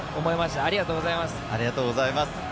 ありがとうございます。